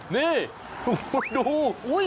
นี่ดู